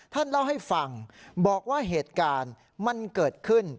ท่านเล่าให้ฟังบอกว่าเหตุการณ์มันเกิดขึ้น